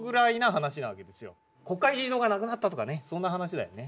国会議事堂が無くなったとかねそんな話だよね。